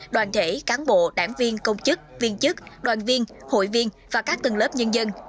đoàn thể cán bộ đảng viên công chức viên chức đoàn viên hội viên và các tầng lớp nhân dân